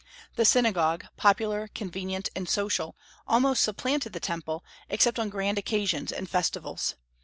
The synagogue, popular, convenient, and social, almost supplanted the Temple, except on grand occasions and festivals.